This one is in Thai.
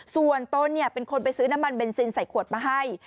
ส่วนตนเป็นคนไปซื้อน้ำมันเบนซินใส่ขวดมาให้